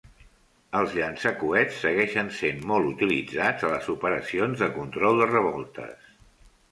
Els llançacoets segueixen sent molt utilitzats a les operacions de control de revoltes.